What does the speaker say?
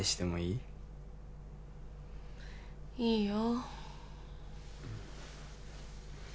いいよ